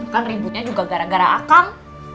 kan ributnya juga gara gara akan